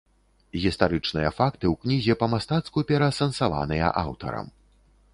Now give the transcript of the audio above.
Гістарычныя факты ў кнізе па-мастацку пераасэнсаваныя аўтарам.